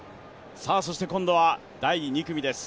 そして今度は、第２組です